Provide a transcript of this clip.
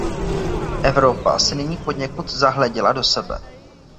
Evropa se nyní poněkud zahleděla do sebe.